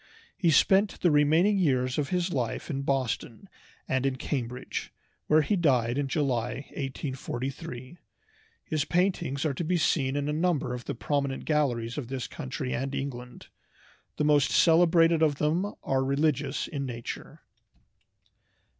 He spent the remaining years of his life in Boston and in Cambridge, where he died in July, 1843. His paintings are to be seen in a number of the prominent galleries of this country and England. The most celebrated of them are religious in nature.